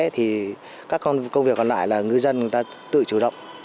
thì các công việc còn lại là người dân tự chủ động